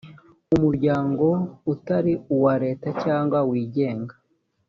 umuryango utari uwa leta cyangwa wigenga